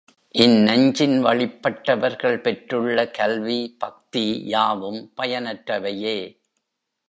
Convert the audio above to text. இந்நஞ்சின் வழிப்பட்டவர்கள் பெற்றுள்ள கல்வி, பக்தி யாவும் பயனற்றவையே.